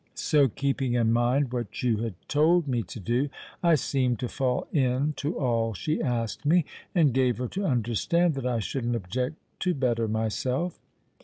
So, keeping in mind what you had told me to do, I seemed to fall in to all she asked me, and gave her to understand that I shouldn't object to better myself.